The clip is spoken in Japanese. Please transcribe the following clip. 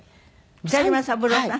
北島三郎さん？